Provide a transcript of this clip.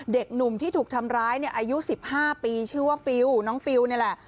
เด็กหนุ่มที่ถูกทำร้ายเนี่ยอายุ๑๕ปีชื่อว่าฟิลน้องฟิลนี่แหละ